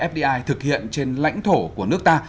fdi thực hiện trên lãnh thổ của nước ta